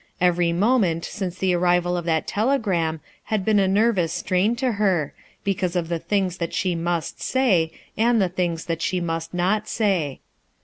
Every moment since the arrival of that telegram had been a nervous strain to her, because of the things that she must say, and the things that she must not say.